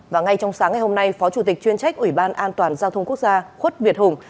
và ngay trong sáng ngày hôm nay phó chủ tịch chuyên trách ủy ban an toàn giao thông quốc gia khuất việt hùng